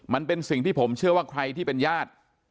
มันเป็นสิ่งที่ผมเชื่อว่าใครที่เป็นญาติ